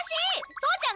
父ちゃん！